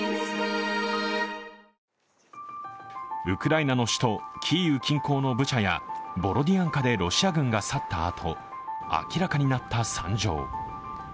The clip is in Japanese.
ウクライナの首都キーウ近郊のブチャやボロディアンカでロシア軍が去ったあと、明らかになった惨状。